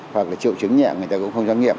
hoặc là triệu chứng nhẹ người ta cũng không dám nghiệm